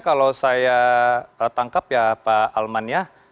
kalau saya tangkap ya pak alman ya